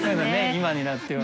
今になっては。